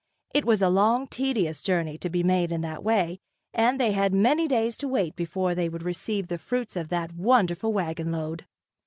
It was a long tedious journey to be made in that way, and they had many days to wait before they would receive the fruits of that wonderful wagon load.